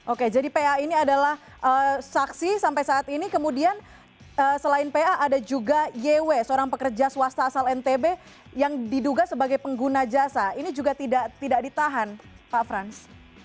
oke jadi pa ini adalah saksi sampai saat ini kemudian selain pa ada juga yw seorang pekerja swasta asal ntb yang diduga sebagai pengguna jasa ini juga tidak ditahan pak frans